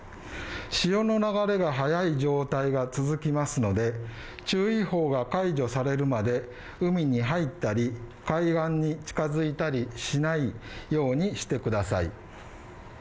潮の流れが速い状態が続きますので注意報が解除されるまで海に入ったり海岸に近づいたりしないようにしてください。